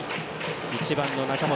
１番の中本。